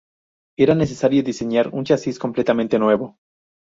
Era necesario diseñar un chasis completamente nuevo.